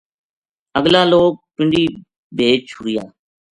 اگلا لوک پنڈی بھیج چُھڑیا